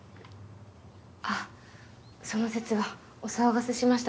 あっその節はお騒がせしました。